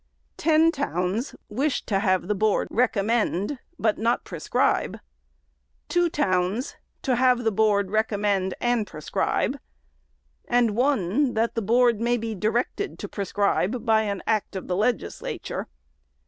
Ten towns wish to have the Board recommend, but not prescribe; two towns, to have the Board recommend and prescribe ; and one, that the Board may be directed to prescribe by an act of the Legislature.